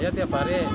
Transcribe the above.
iya tiap hari